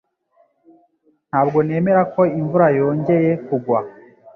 Ntabwo nemera ko imvura yongeye kugwa